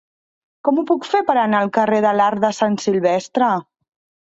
Com ho puc fer per anar al carrer de l'Arc de Sant Silvestre?